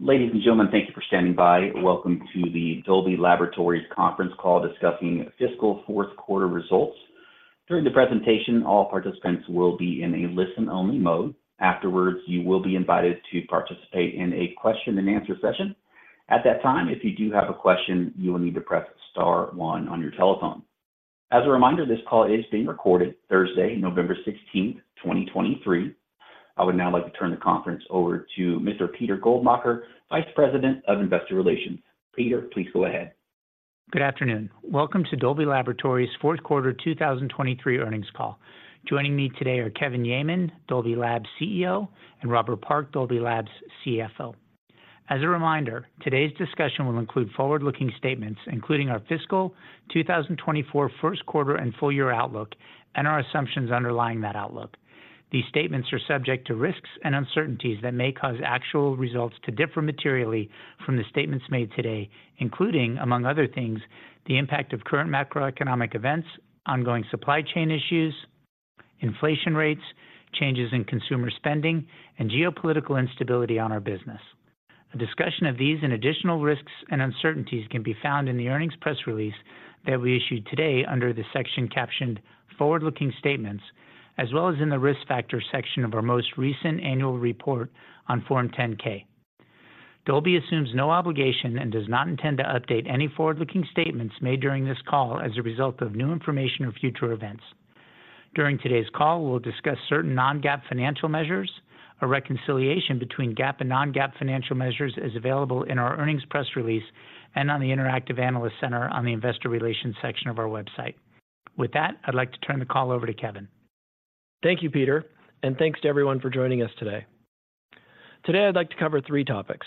Ladies and gentlemen, thank you for standing by. Welcome to the Dolby Laboratories conference call discussing fiscal Q4 results. During the presentation, all participants will be in a listen-only mode. Afterwards, you will be invited to participate in a question-and-answer session. At that time, if you do have a question, you will need to press star one on your telephone. As a reminder, this call is being recorded Thursday, November sixteenth, twenty twenty-three. I would now like to turn the conference over to Mr. Peter Goldmacher, Vice President of Investor Relations. Peter, please go ahead. Good afternoon. Welcome to Dolby Laboratories' Q4 2023 earnings call. Joining me today are Kevin Yeaman, Dolby Labs' CEO, and Robert Park, Dolby Labs' CFO. As a reminder, today's discussion will include forward-looking statements, including our fiscal 2024 Q1 and full year outlook, and our assumptions underlying that outlook. These statements are subject to risks and uncertainties that may cause actual results to differ materially from the statements made today, including, among other things, the impact of current macroeconomic events, ongoing supply chain issues, inflation rates, changes in consumer spending, and geopolitical instability on our business. A discussion of these and additional risks and uncertainties can be found in the earnings press release that we issued today under the section captioned Forward-Looking Statements, as well as in the Risk Factors section of our most recent annual report on Form 10-K. Dolby assumes no obligation and does not intend to update any forward-looking statements made during this call as a result of new information or future events. During today's call, we'll discuss certain non-GAAP financial measures. A reconciliation between GAAP and non-GAAP financial measures is available in our earnings press release and on the Interactive Analyst Center on the Investor Relations section of our website. With that, I'd like to turn the call over to Kevin. Thank you, Peter, and thanks to everyone for joining us today. Today, I'd like to cover three topics.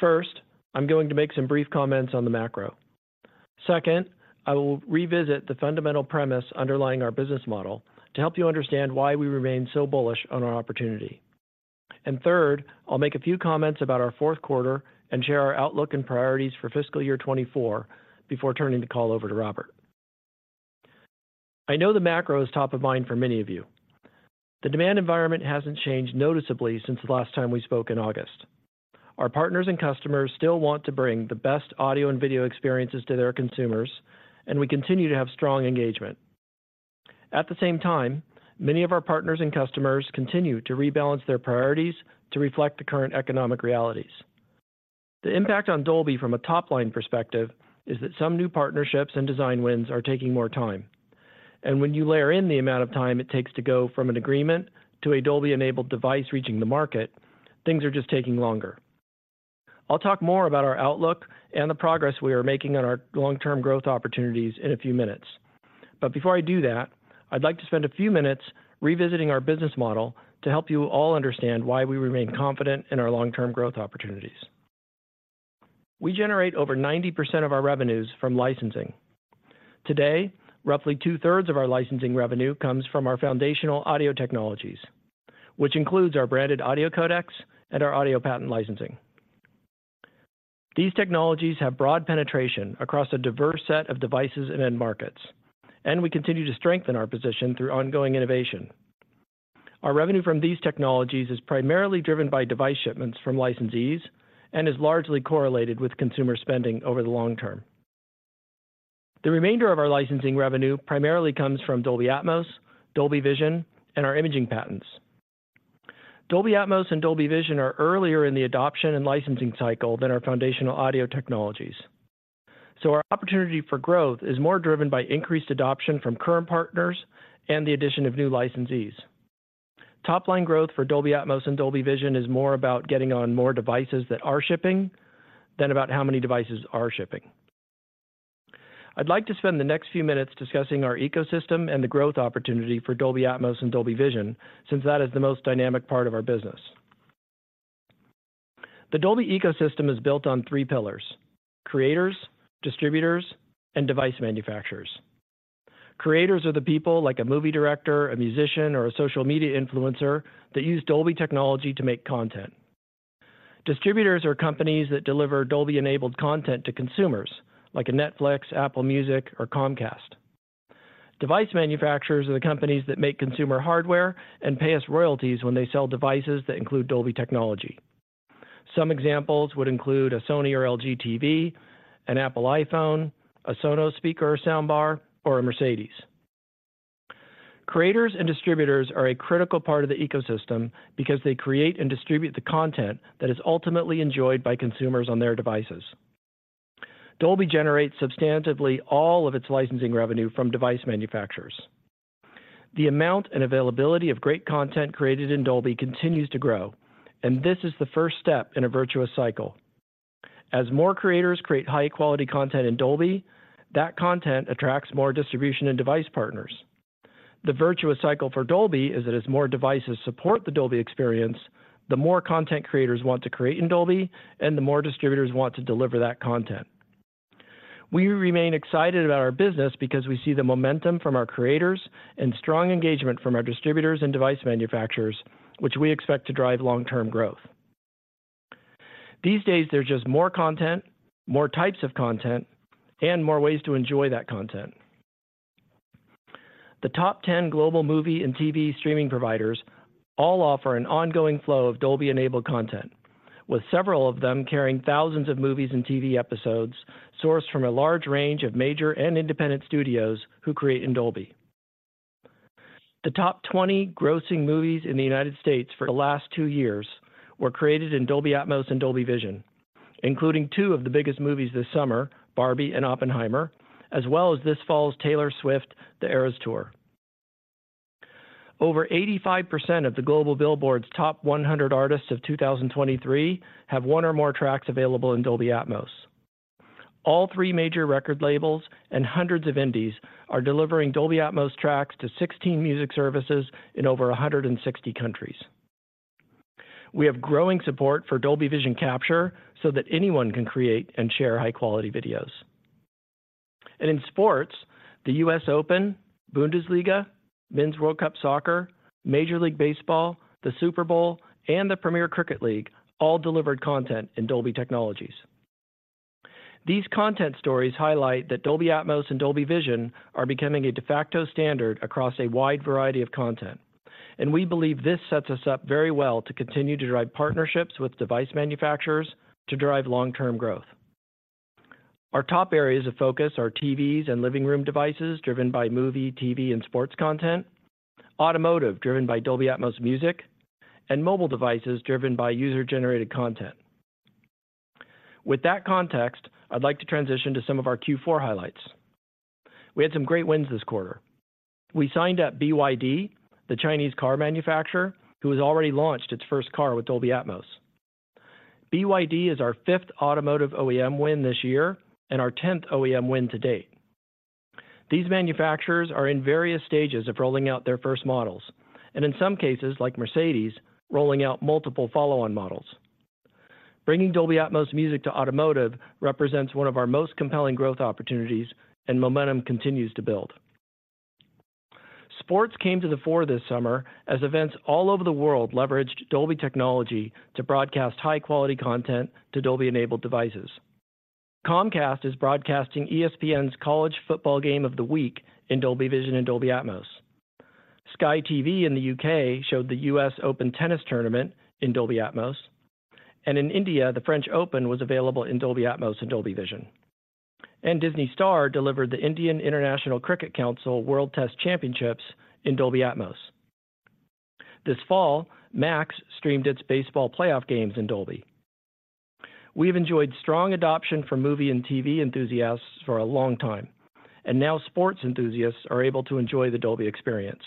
First, I'm going to make some brief comments on the macro. Second, I will revisit the fundamental premise underlying our business model to help you understand why we remain so bullish on our opportunity. And third, I'll make a few comments about our Q4 and share our outlook and priorities for fiscal year 2024 before turning the call over to Robert. I know the macro is top of mind for many of you. The demand environment hasn't changed noticeably since the last time we spoke in August. Our partners and customers still want to bring the best audio and video experiences to their consumers, and we continue to have strong engagement. At the same time, many of our partners and customers continue to rebalance their priorities to reflect the current economic realities. The impact on Dolby from a top-line perspective is that some new partnerships and design wins are taking more time. When you layer in the amount of time it takes to go from an agreement to a Dolby-enabled device reaching the market, things are just taking longer. I'll talk more about our outlook and the progress we are making on our long-term growth opportunities in a few minutes. Before I do that, I'd like to spend a few minutes revisiting our business model to help you all understand why we remain confident in our long-term growth opportunities. We generate over 90% of our revenues from licensing. Today, roughly two-thirds of our licensing revenue comes from our foundational audio technologies, which includes our branded audio codecs and our audio patent licensing. These technologies have broad penetration across a diverse set of devices and end markets, and we continue to strengthen our position through ongoing innovation. Our revenue from these technologies is primarily driven by device shipments from licensees and is largely correlated with consumer spending over the long term. The remainder of our licensing revenue primarily comes from Dolby Atmos, Dolby Vision, and our imaging patents. Dolby Atmos and Dolby Vision are earlier in the adoption and licensing cycle than our foundational audio technologies, so our opportunity for growth is more driven by increased adoption from current partners and the addition of new licensees. Top-line growth for Dolby Atmos and Dolby Vision is more about getting on more devices that are shipping than about how many devices are shipping. I'd like to spend the next few minutes discussing our ecosystem and the growth opportunity for Dolby Atmos and Dolby Vision, since that is the most dynamic part of our business. The Dolby ecosystem is built on three pillars: creators, distributors, and device manufacturers. Creators are the people, like a movie director, a musician, or a social media influencer, that use Dolby technology to make content. Distributors are companies that deliver Dolby-enabled content to consumers, like a Netflix, Apple Music, or Comcast. Device manufacturers are the companies that make consumer hardware and pay us royalties when they sell devices that include Dolby technology. Some examples would include a Sony or LG TV, an Apple iPhone, a Sonos speaker or soundbar, or a Mercedes. Creators and distributors are a critical part of the ecosystem because they create and distribute the content that is ultimately enjoyed by consumers on their devices. Dolby generates substantively all of its licensing revenue from device manufacturers. The amount and availability of great content created in Dolby continues to grow, and this is the first step in a virtuous cycle. As more creators create high-quality content in Dolby, that content attracts more distribution and device partners. The virtuous cycle for Dolby is that as more devices support the Dolby experience, the more content creators want to create in Dolby, and the more distributors want to deliver that content. We remain excited about our business because we see the momentum from our creators and strong engagement from our distributors and device manufacturers, which we expect to drive long-term growth. These days, there's just more content, more types of content, and more ways to enjoy that content. The top 10 global movie and TV streaming providers all offer an ongoing flow of Dolby-enabled content, with several of them carrying thousands of movies and TV episodes sourced from a large range of major and independent studios who create in Dolby. The top 20 grossing movies in the United States for the last two years were created in Dolby Atmos and Dolby Vision, including two of the biggest movies this summer, Barbie and Oppenheimer, as well as this fall's Taylor Swift: The Eras Tour. Over 85% of the global Billboard's top 100 artists of 2023 have one or more tracks available in Dolby Atmos. All three major record labels and hundreds of indies are delivering Dolby Atmos tracks to 16 music services in over 160 countries. We have growing support for Dolby Vision capture so that anyone can create and share high-quality videos. And in sports, the U.S. Open, Bundesliga, Men's World Cup Soccer, Major League Baseball, the Super Bowl, and the Premier Cricket League all delivered content in Dolby technologies. These content stories highlight that Dolby Atmos and Dolby Vision are becoming a de facto standard across a wide variety of content, and we believe this sets us up very well to continue to drive partnerships with device manufacturers to drive long-term growth. Our top areas of focus are TVs and living room devices, driven by movie, TV, and sports content, automotive, driven by Dolby Atmos music, and mobile devices, driven by user-generated content. With that context, I'd like to transition to some of our Q4 highlights. We had some great wins this quarter. We signed up BYD, the Chinese car manufacturer, who has already launched its first car with Dolby Atmos. BYD is our fifth automotive OEM win this year and our tenth OEM win to date. These manufacturers are in various stages of rolling out their first models, and in some cases, like Mercedes, rolling out multiple follow-on models. Bringing Dolby Atmos music to automotive represents one of our most compelling growth opportunities, and momentum continues to build. Sports came to the fore this summer as events all over the world leveraged Dolby technology to broadcast high-quality content to Dolby-enabled devices. Comcast is broadcasting ESPN's college football game of the week in Dolby Vision and Dolby Atmos. Sky TV in the U.K. showed the U.S. Open tennis tournament in Dolby Atmos, and in India, the French Open was available in Dolby Atmos and Dolby Vision. Disney Star delivered the Indian International Cricket Council World Test Championships in Dolby Atmos. This fall, Max streamed its baseball playoff games in Dolby. We've enjoyed strong adoption for movie and TV enthusiasts for a long time, and now sports enthusiasts are able to enjoy the Dolby experience,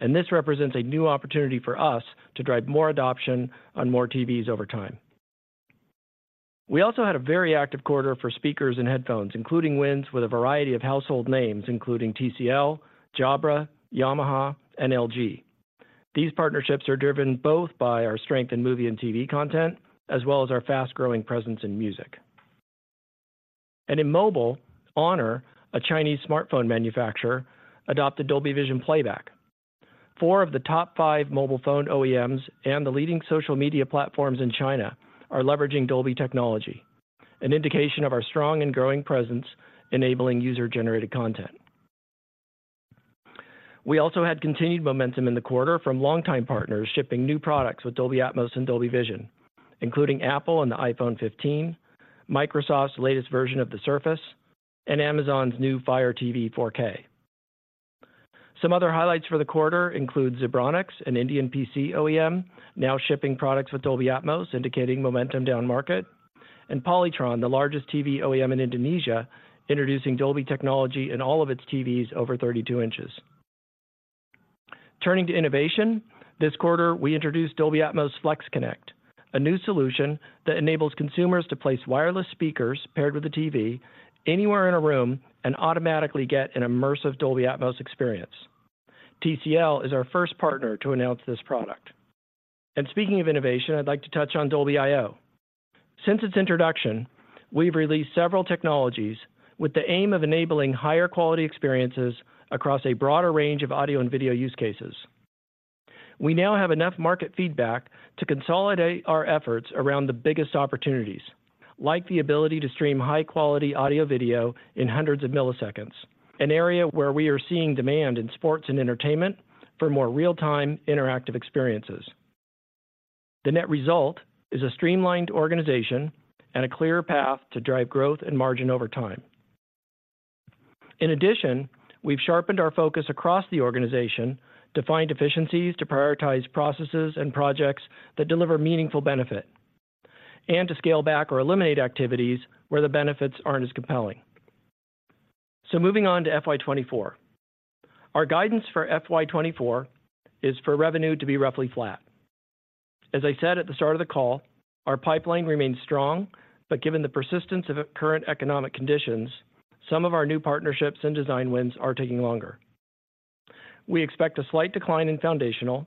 and this represents a new opportunity for us to drive more adoption on more TVs over time. We also had a very active quarter for speakers and headphones, including wins with a variety of household names, including TCL, Jabra, Yamaha, and LG. These partnerships are driven both by our strength in movie and TV content, as well as our fast-growing presence in music. In mobile, Honor, a Chinese smartphone manufacturer, adopted Dolby Vision playback. Four of the top five mobile phone OEMs and the leading social media platforms in China are leveraging Dolby technology, an indication of our strong and growing presence enabling user-generated content. We also had continued momentum in the quarter from longtime partners shipping new products with Dolby Atmos and Dolby Vision, including Apple and the iPhone 15, Microsoft's latest version of the Surface, and Amazon's new Fire TV 4K. Some other highlights for the quarter include Zebronics, an Indian PC OEM, now shipping products with Dolby Atmos, indicating momentum down market, and Polytron, the largest TV OEM in Indonesia, introducing Dolby technology in all of its TVs over 32 inches. Turning to innovation, this quarter, we introduced Dolby Atmos FlexConnect, a new solution that enables consumers to place wireless speakers paired with a TV anywhere in a room and automatically get an immersive Dolby Atmos experience. TCL is our first partner to announce this product. And speaking of innovation, I'd like to touch on Dolby.io. Since its introduction, we've released several technologies with the aim of enabling higher quality experiences across a broader range of audio and video use cases. We now have enough market feedback to consolidate our efforts around the biggest opportunities, like the ability to stream high-quality audio-video in hundreds of milliseconds, an area where we are seeing demand in sports and entertainment for more real-time, interactive experiences. The net result is a streamlined organization and a clear path to drive growth and margin over time. In addition, we've sharpened our focus across the organization to find efficiencies, to prioritize processes and projects that deliver meaningful benefit, and to scale back or eliminate activities where the benefits aren't as compelling. So moving on to FY 2024. Our guidance for FY 2024 is for revenue to be roughly flat. As I said at the start of the call, our pipeline remains strong, but given the persistence of current economic conditions, some of our new partnerships and design wins are taking longer. We expect a slight decline in foundational,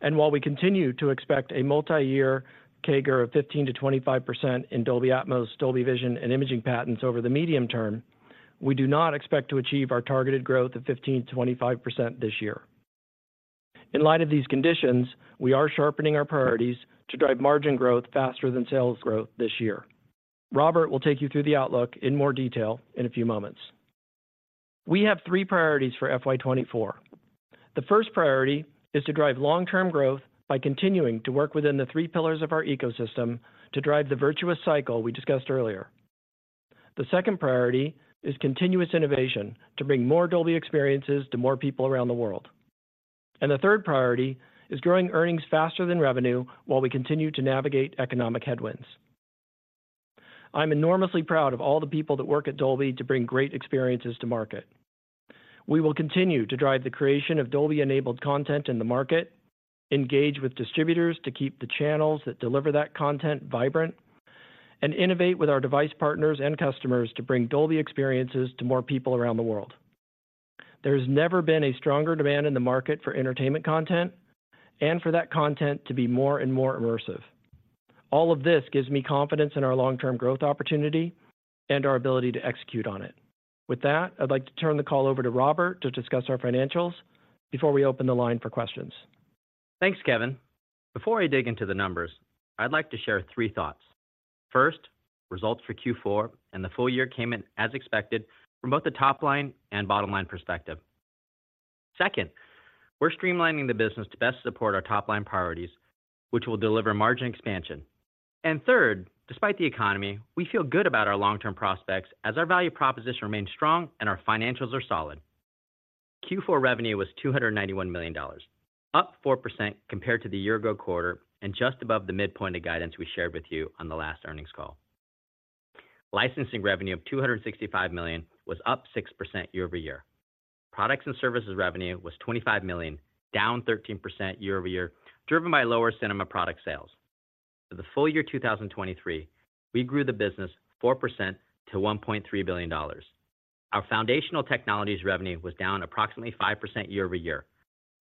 and while we continue to expect a multi-year CAGR of 15%-25% in Dolby Atmos, Dolby Vision, and imaging patents over the medium term, we do not expect to achieve our targeted growth of 15%-25% this year. In light of these conditions, we are sharpening our priorities to drive margin growth faster than sales growth this year. Robert will take you through the outlook in more detail in a few moments. We have three priorities for FY 2024. The first priority is to drive long-term growth by continuing to work within the three pillars of our ecosystem to drive the virtuous cycle we discussed earlier. The second priority is continuous innovation, to bring more Dolby experiences to more people around the world. The third priority is growing earnings faster than revenue, while we continue to navigate economic headwinds. I'm enormously proud of all the people that work at Dolby to bring great experiences to market. We will continue to drive the creation of Dolby-enabled content in the market, engage with distributors to keep the channels that deliver that content vibrant, and innovate with our device partners and customers to bring Dolby experiences to more people around the world. There has never been a stronger demand in the market for entertainment content, and for that content to be more and more immersive. All of this gives me confidence in our long-term growth opportunity and our ability to execute on it. With that, I'd like to turn the call over to Robert to discuss our financials before we open the line for questions. Thanks, Kevin. Before I dig into the numbers, I'd like to share three thoughts. First, results for Q4 and the full year came in as expected from both the top line and bottom line perspective. Second, we're streamlining the business to best support our top line priorities, which will deliver margin expansion. And third, despite the economy, we feel good about our long-term prospects as our value proposition remains strong and our financials are solid. Q4 revenue was $291 million, up 4% compared to the year ago quarter, and just above the midpoint of guidance we shared with you on the last earnings call. Licensing revenue of $265 million was up 6% year-over-year. Products and services revenue was $25 million, down 13% year-over-year, driven by lower cinema product sales. For the full year 2023, we grew the business 4% to $1.3 billion. Our foundational technologies revenue was down approximately 5% year-over-year.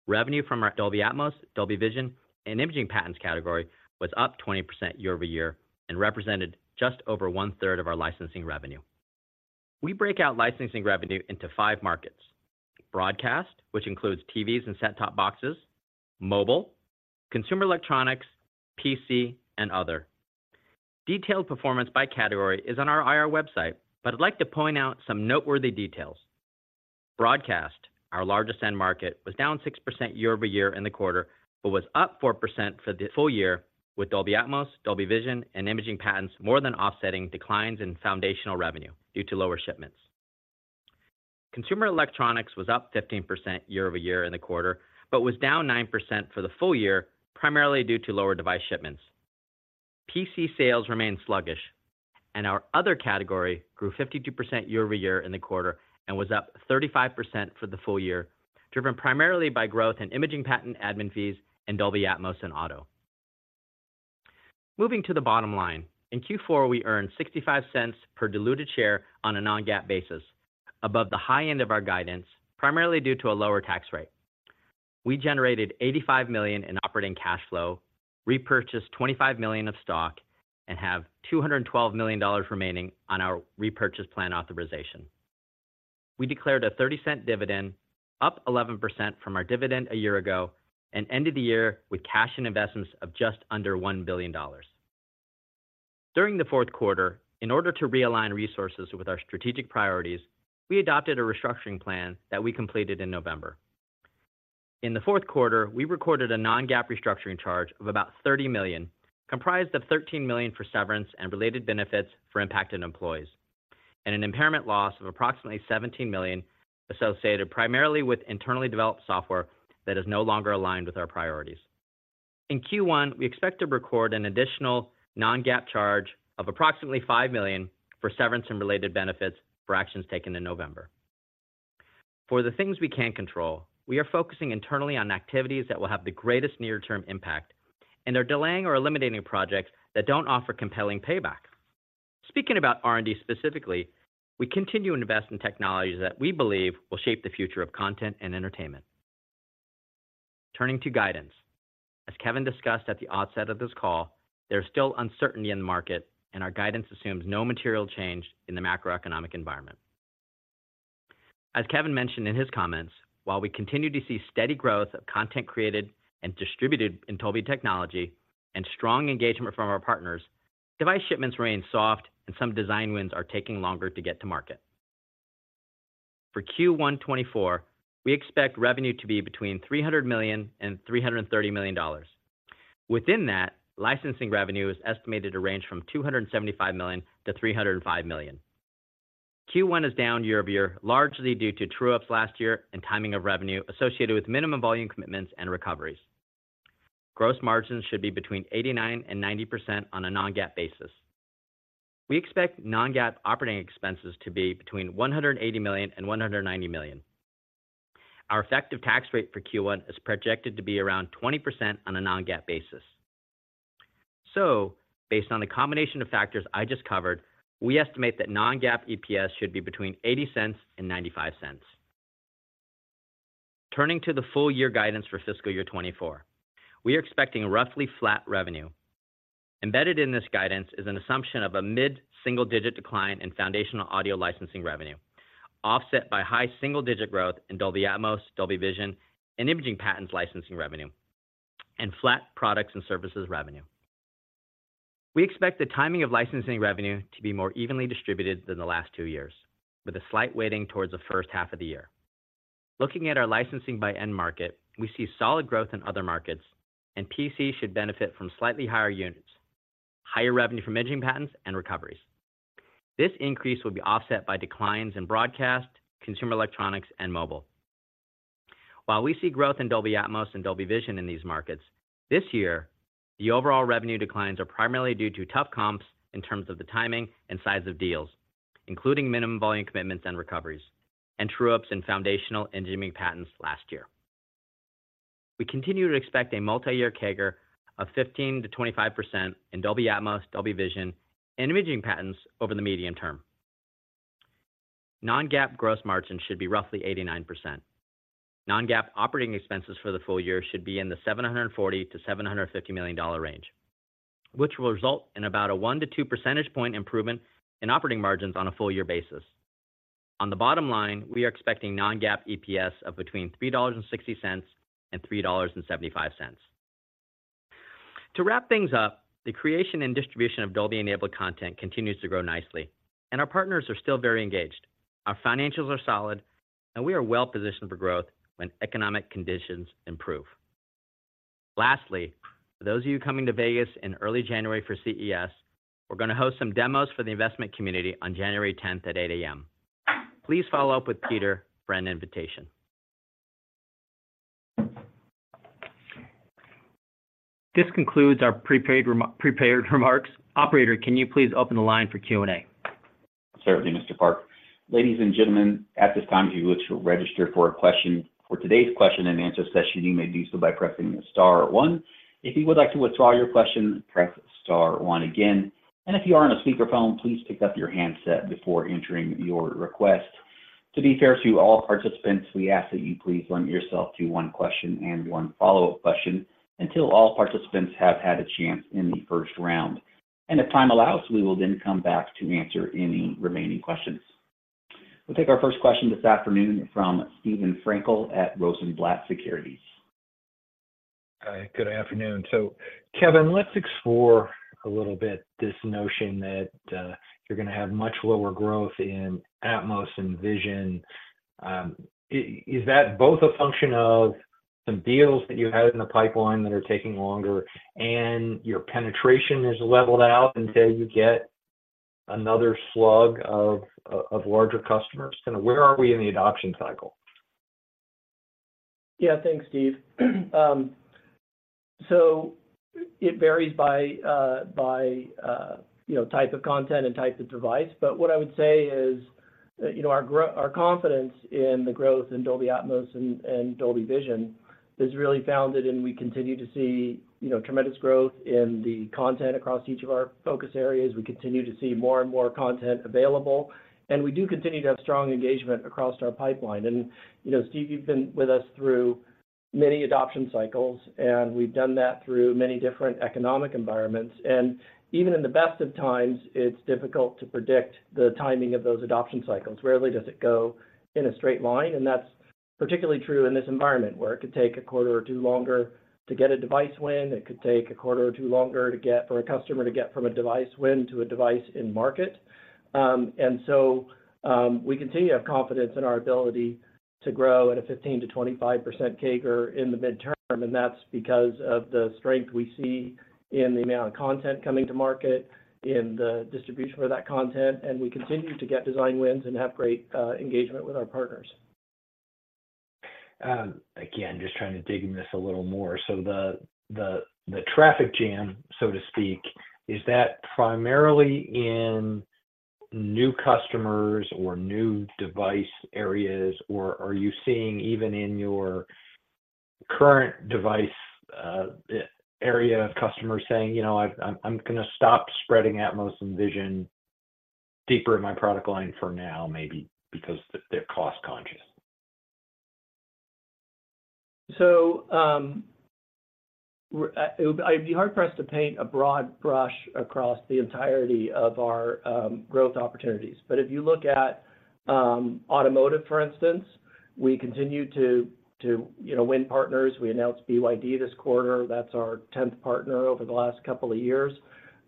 Revenue from our Dolby Atmos, Dolby Vision, and imaging patents category was up 20% year-over-year and represented just over one-third of our licensing revenue. We break out licensing revenue into five markets: broadcast, which includes TVs and set-top boxes, mobile, consumer electronics, PC, and other. Detailed performance by category is on our IR website, but I'd like to point out some noteworthy details. Broadcast, our largest end market, was down 6% year-over-year in the quarter, but was up 4% for the full year, with Dolby Atmos, Dolby Vision, and imaging patents more than offsetting declines in foundational revenue due to lower shipments. Consumer electronics was up 15% year-over-year in the quarter, but was down 9% for the full year, primarily due to lower device shipments. PC sales remained sluggish, and our other category grew 52% year-over-year in the quarter and was up 35% for the full year, driven primarily by growth in imaging patent admin fees and Dolby Atmos in Auto. Moving to the bottom line. In Q4, we earned $0.65 per diluted share on a non-GAAP basis, above the high end of our guidance, primarily due to a lower tax rate. We generated $85 million in operating cash flow, repurchased $25 million of stock, and have $212 million remaining on our repurchase plan authorization. We declared a $0.30 dividend, up 11% from our dividend a year ago, and ended the year with cash and investments of just under $1 billion. During the Q4, in order to realign resources with our strategic priorities, we adopted a restructuring plan that we completed in November. In the Q4, we recorded a non-GAAP restructuring charge of about $30 million, comprised of $13 million for severance and related benefits for impacted employees, and an impairment loss of approximately $17 million, associated primarily with internally developed software that is no longer aligned with our priorities. In Q1, we expect to record an additional non-GAAP charge of approximately $5 million for severance and related benefits for actions taken in November. For the things we can't control, we are focusing internally on activities that will have the greatest near-term impact and are delaying or eliminating projects that don't offer compelling payback. Speaking about R&D specifically, we continue to invest in technologies that we believe will shape the future of content and entertainment. Turning to guidance. As Kevin discussed at the outset of this call, there's still uncertainty in the market and our guidance assumes no material change in the macroeconomic environment. As Kevin mentioned in his comments, while we continue to see steady growth of content created and distributed in Dolby technology and strong engagement from our partners, device shipments remain soft and some design wins are taking longer to get to market. For Q1 2024, we expect revenue to be between $300 million and $330 million. Within that, licensing revenue is estimated to range from $275 million-$305 million. Q1 is down year-over-year, largely due to true-ups last year and timing of revenue associated with minimum volume commitments and recoveries. Gross margins should be between 89% and 90% on a non-GAAP basis. We expect non-GAAP operating expenses to be between $180 million and $190 million. Our effective tax rate for Q1 is projected to be around 20% on a non-GAAP basis. So based on the combination of factors I just covered, we estimate that non-GAAP EPS should be between $0.80 and $0.95. Turning to the full year guidance for fiscal year 2024, we are expecting roughly flat revenue.... Embedded in this guidance is an assumption of a mid-single-digit decline in foundational audio licensing revenue, offset by high single-digit growth in Dolby Atmos, Dolby Vision, and imaging patents licensing revenue, and flat products and services revenue. We expect the timing of licensing revenue to be more evenly distributed than the last two years, with a slight weighting towards the H1 of the year. Looking at our licensing by end market, we see solid growth in other markets, and PC should benefit from slightly higher units, higher revenue from imaging patents and recoveries. This increase will be offset by declines in broadcast, consumer electronics, and mobile. While we see growth in Dolby Atmos and Dolby Vision in these markets, this year, the overall revenue declines are primarily due to tough comps in terms of the timing and size of deals, including minimum volume commitments and recoveries, and true ups in foundational engineering patents last year. We continue to expect a multi-year CAGR of 15%-25% in Dolby Atmos, Dolby Vision, and imaging patents over the medium term. Non-GAAP gross margins should be roughly 89%. Non-GAAP operating expenses for the full year should be in the $740-750 million range, which will result in about a 1-2 percentage point improvement in operating margins on a full year basis. On the bottom line, we are expecting non-GAAP EPS of between $3.60 and $3.75. To wrap things up, the creation and distribution of Dolby-enabled content continues to grow nicely, and our partners are still very engaged. Our financials are solid, and we are well positioned for growth when economic conditions improve. Lastly, for those of you coming to Vegas in early January for CES, we're gonna host some demos for the investment community on January 10th at 8:00 A.M. Please follow up with Peter for an invitation. This concludes our prepared remarks. Operator, can you please open the line for Q&A? Certainly, Mr. Park. Ladies and gentlemen, at this time, if you would to register for a question. For today's question-and-answer session, you may do so by pressing star one. If you would like to withdraw your question, press star one again, and if you are on a speakerphone, please pick up your handset before entering your request. To be fair to all participants, we ask that you please limit yourself to one question and one follow-up question until all participants have had a chance in the first round. If time allows, we will then come back to answer any remaining questions. We'll take our first question this afternoon from Steven Frankel at Rosenblatt Securities. Hi, good afternoon. So, Kevin, let's explore a little bit this notion that you're gonna have much lower growth in Atmos and Vision. Is that both a function of some deals that you had in the pipeline that are taking longer, and your penetration has leveled out until you get another slug of larger customers? And where are we in the adoption cycle? Yeah, thanks, Steve. So it varies by, you know, type of content and type of device. But what I would say is, you know, our confidence in the growth in Dolby Atmos and Dolby Vision is really founded, and we continue to see, you know, tremendous growth in the content across each of our focus areas. We continue to see more and more content available, and we do continue to have strong engagement across our pipeline. And, you know, Steve, you've been with us through many adoption cycles, and we've done that through many different economic environments. And even in the best of times, it's difficult to predict the timing of those adoption cycles. Rarely does it go in a straight line, and that's particularly true in this environment, where it could take a quarter or two longer to get a device win. It could take a quarter or two longer for a customer to get from a device win to a device in market. We continue to have confidence in our ability to grow at a 15%-25% CAGR in the medium term, and that's because of the strength we see in the amount of content coming to market, in the distribution for that content, and we continue to get design wins and have great engagement with our partners. Again, just trying to dig in this a little more. So the traffic jam, so to speak, is that primarily in new customers or new device areas, or are you seeing even in your current device area of customers saying, "You know, I'm gonna stop spreading Atmos and Vision deeper in my product line for now," maybe because they're cost-conscious? So, it would be hard for us to paint a broad brush across the entirety of our growth opportunities. But if you look at automotive, for instance, we continue to you know, win partners. We announced BYD this quarter. That's our tenth partner over the last couple of years.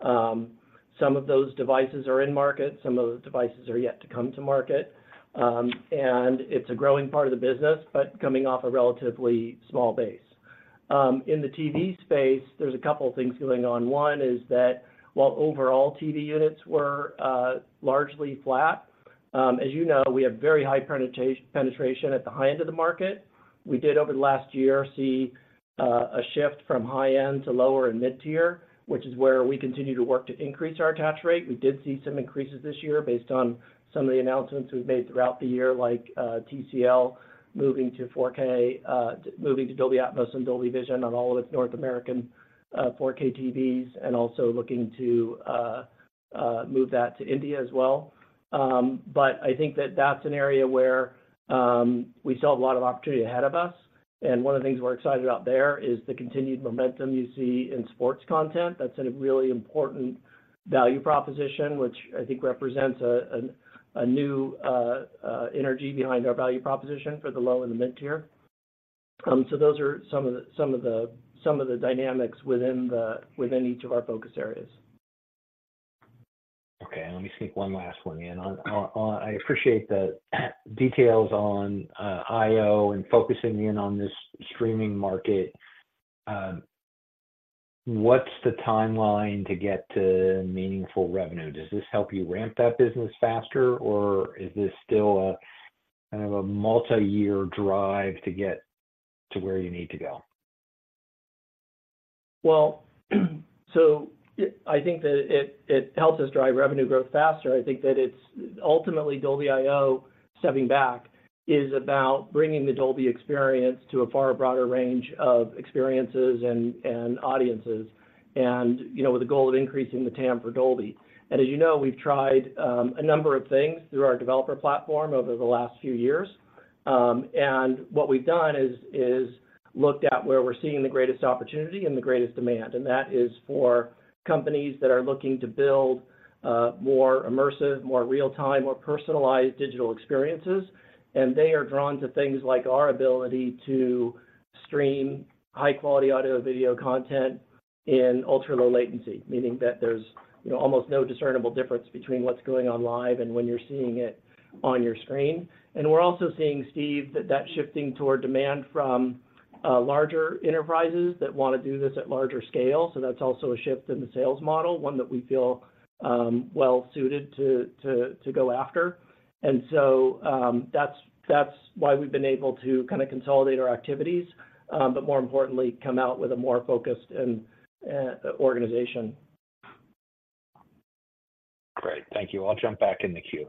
Some of those devices are in market, some of those devices are yet to come to market. And it's a growing part of the business, but coming off a relatively small base. In the TV space, there's a couple of things going on. One is that while overall TV units were largely flat, as you know, we have very high penetration at the high end of the market. We did, over the last year, see a shift from high end to lower and mid-tier, which is where we continue to work to increase our attach rate. We did see some increases this year based on some of the announcements we've made throughout the year, like TCL moving to 4K, moving to Dolby Atmos and Dolby Vision on all of its North American 4K TVs, and also looking to move that to India as well. But I think that that's an area where we still have a lot of opportunity ahead of us. And one of the things we're excited about there is the continued momentum you see in sports content. That's a really important value proposition, which I think represents a new energy behind our value proposition for the low and the mid-tier. So those are some of the dynamics within each of our focus areas. Okay, let me sneak one last one in. On, I appreciate the details on IO and focusing in on this streaming market. What's the timeline to get to meaningful revenue? Does this help you ramp that business faster, or is this still a kind of a multi-year drive to get to where you need to go? Well, so I think that it helps us drive revenue growth faster. I think that it's ultimately Dolby.io, stepping back, is about bringing the Dolby experience to a far broader range of experiences and audiences, you know, with the goal of increasing the TAM for Dolby. And as you know, we've tried a number of things through our developer platform over the last few years. And what we've done is looked at where we're seeing the greatest opportunity and the greatest demand, and that is for companies that are looking to build more immersive, more real-time, more personalized digital experiences. And they are drawn to things like our ability to stream high-quality audio-video content in ultra-low latency, meaning that there's, you know, almost no discernible difference between what's going on live and when you're seeing it on your screen. We're also seeing, Steve, that shifting toward demand from larger enterprises that want to do this at larger scale. So that's also a shift in the sales model, one that we feel well suited to go after. So that's why we've been able to kind of consolidate our activities, but more importantly, come out with a more focused organization. Great. Thank you. I'll jump back in the queue.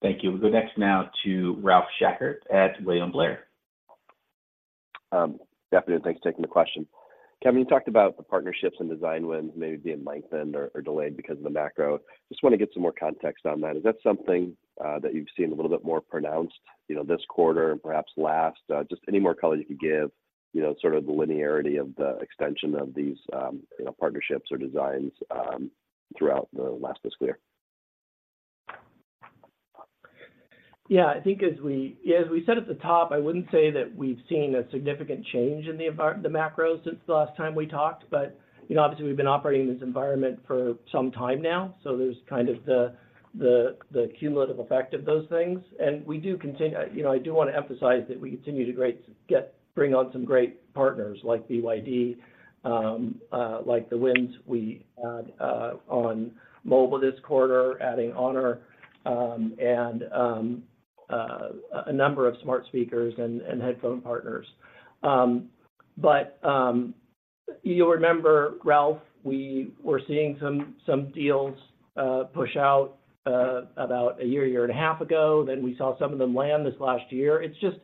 Thank you. We'll go next now to Ralph Schackart at William Blair. Good afternoon. Thanks for taking the question. Kevin, you talked about the partnerships and design wins maybe being lengthened or, or delayed because of the macro. Just want to get some more context on that. Is that something that you've seen a little bit more pronounced, you know, this quarter and perhaps last? Just any more color you can give, you know, sort of the linearity of the extension of these, you know, partnerships or designs throughout the last fiscal year? Yeah, I think as we said at the top, I wouldn't say that we've seen a significant change in the environment, the macro since the last time we talked. But, you know, obviously, we've been operating in this environment for some time now, so there's kind of the cumulative effect of those things. And we do continue, you know, I do want to emphasize that we continue to bring on some great partners like BYD, like the wins we had on mobile this quarter, adding Honor, and a number of smart speakers and headphone partners. But you'll remember, Ralph, we were seeing some deals push out about 1 year, 1.5 years ago. Then we saw some of them land this last year. It's just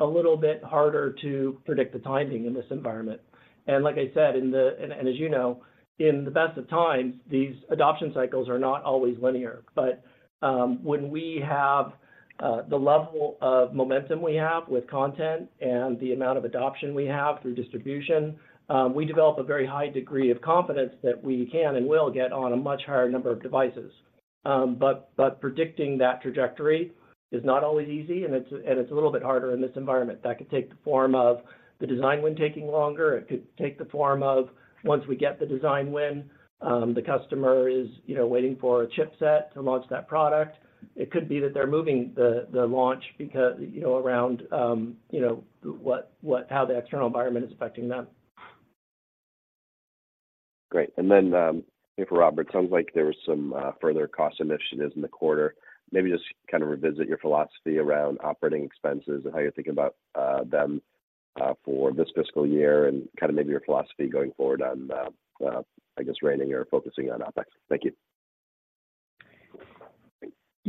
a little bit harder to predict the timing in this environment. And like I said, and as you know, in the best of times, these adoption cycles are not always linear. But when we have the level of momentum we have with content and the amount of adoption we have through distribution, we develop a very high degree of confidence that we can and will get on a much higher number of devices. But predicting that trajectory is not always easy, and it's a little bit harder in this environment. That could take the form of the design win taking longer. It could take the form of, once we get the design win, the customer is, you know, waiting for a chipset to launch that product. It could be that they're moving the launch because, you know, around, you know, how the external environment is affecting them. Great. And then, for Robert, sounds like there was some further cost initiatives in the quarter. Maybe just kind of revisit your philosophy around operating expenses and how you're thinking about them for this fiscal year, and kind of maybe your philosophy going forward on, I guess, reining or focusing on OpEx. Thank you.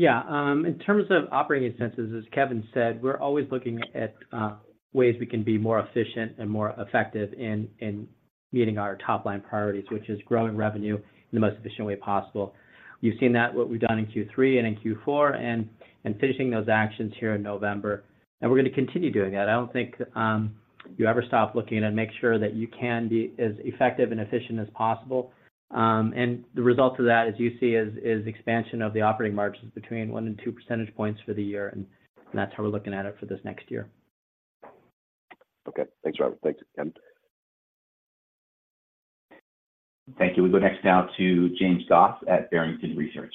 Yeah, in terms of operating expenses, as Kevin said, we're always looking at ways we can be more efficient and more effective in meeting our top-line priorities, which is growing revenue in the most efficient way possible. You've seen that, what we've done in Q3 and in Q4 and finishing those actions here in November, and we're going to continue doing that. I don't think you ever stop looking and make sure that you can be as effective and efficient as possible. And the result of that, as you see, is expansion of the operating margins between one and two percentage points for the year, and that's how we're looking at it for this next year. Okay. Thanks, Robert. Thanks, Kevin. Thank you. We go next now to James Goss at Barrington Research.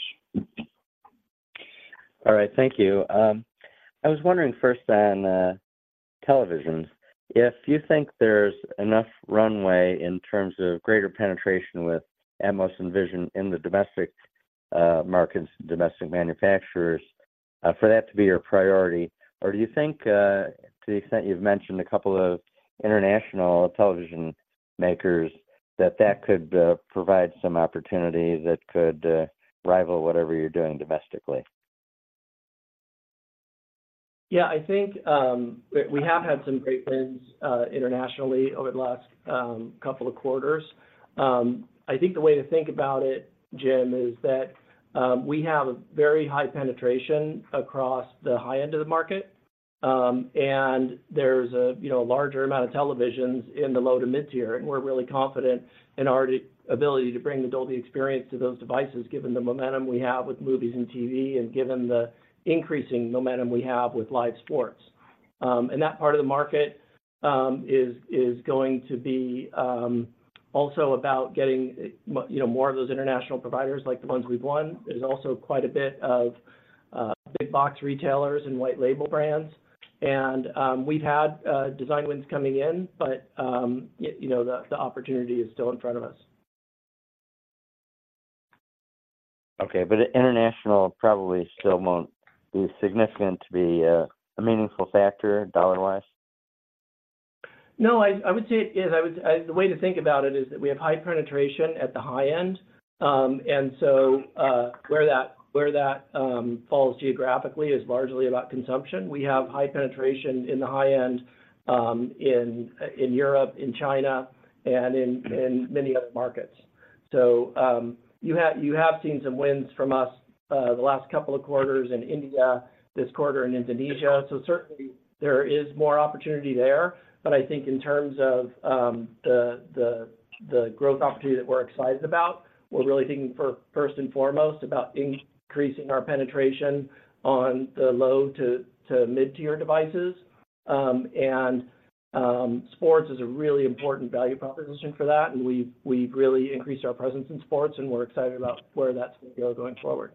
All right, thank you. I was wondering first then, televisions, if you think there's enough runway in terms of greater penetration with Atmos and Vision in the domestic markets, domestic manufacturers, for that to be your priority? Or do you think, to the extent you've mentioned a couple of international television makers, that that could provide some opportunity that could rival whatever you're doing domestically? Yeah, I think we have had some great wins internationally over the last couple of quarters. I think the way to think about it, Jim, is that we have very high penetration across the high end of the market... and there's a, you know, a larger amount of televisions in the low to mid-tier, and we're really confident in our ability to bring the Dolby experience to those devices, given the momentum we have with movies and TV, and given the increasing momentum we have with live sports. And that part of the market is going to be also about getting, you know, more of those international providers, like the ones we've won. There's also quite a bit of big box retailers and white label brands, and we've had design wins coming in, but you know, the opportunity is still in front of us. Okay, but international probably still won't be significant to be, a meaningful factor dollar-wise? No, I would say it is. The way to think about it is that we have high penetration at the high end. And so, where that falls geographically is largely about consumption. We have high penetration in the high end, in Europe, in China, and in many other markets. So, you have seen some wins from us, the last couple of quarters in India, this quarter in Indonesia, so certainly there is more opportunity there. But I think in terms of the growth opportunity that we're excited about, we're really thinking first and foremost, about increasing our penetration on the low to mid-tier devices. Sports is a really important value proposition for that, and we've really increased our presence in sports, and we're excited about where that's gonna go going forward.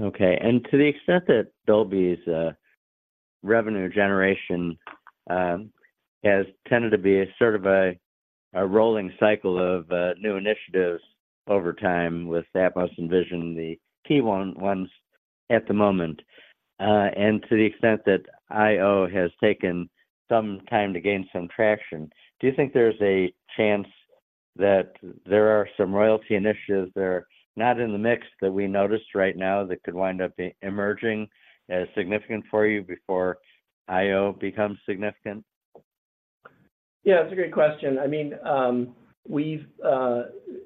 Okay. And to the extent that Dolby's revenue generation has tended to be sort of a rolling cycle of new initiatives over time, with Atmos and Vision, the key ones at the moment. And to the extent that IO has taken some time to gain some traction, do you think there's a chance that there are some royalty initiatives that are not in the mix, that we noticed right now, that could wind up emerging as significant for you before IO becomes significant? Yeah, it's a great question. I mean, we've,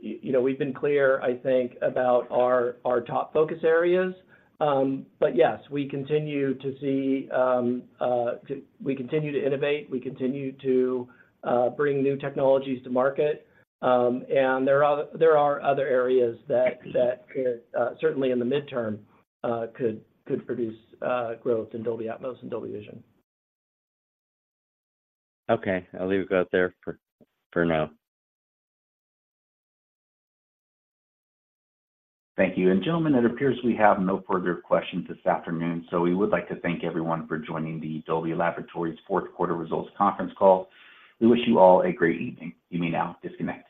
you know, we've been clear, I think, about our top focus areas. But yes, we continue to innovate, we continue to bring new technologies to market. And there are other areas that could certainly in the midterm, could produce growth in Dolby Atmos and Dolby Vision. Okay, I'll leave it out there for now. Thank you. Gentlemen, it appears we have no further questions this afternoon, so we would like to thank everyone for joining the Dolby Laboratories Q4 results conference call. We wish you all a great evening. You may now disconnect.